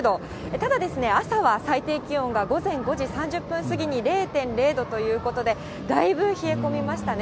ただですね、朝は最低気温が午前５時３０分過ぎに０．０度ということで、だいぶ冷え込みましたね。